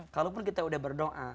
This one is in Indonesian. kalaupun kita udah berdoa